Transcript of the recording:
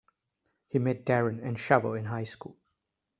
He met Daron and Shavo in high school.